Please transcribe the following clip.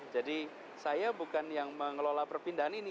saya bukan yang mengelola perpindahan ini